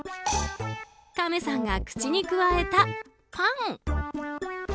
カメさんが口にくわえたパン。